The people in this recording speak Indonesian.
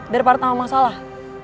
daripada tamu masalah